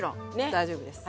大丈夫です。